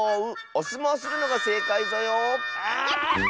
おすもうするのがせいかいぞよ。